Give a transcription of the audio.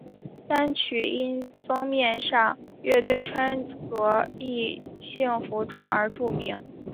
单曲因封面上乐队穿着异性服装而著名。